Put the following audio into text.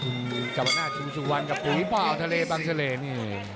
คุณกรรมนาฬสู่วันกับปุ๋ยเปล่าทะเลบังเศรษฐ์นี่